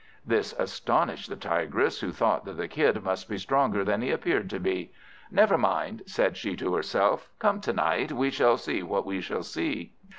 This astonished the Tigress, who thought that the Kid must be stronger than he appeared to be. "Never mind," said she to herself; "come to night, we shall see what we shall see."